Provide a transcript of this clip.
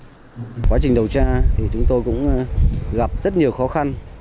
trong quá trình đầu tra chúng tôi cũng gặp rất nhiều khó khăn